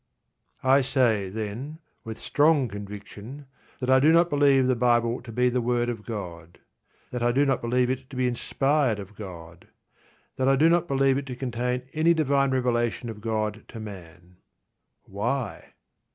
I say, then, with strong conviction, that I do not believe the Bible to be the word of God; that I do not believe it to be inspired of God; that I do not believe it to contain any divine revelation of God to man. Why?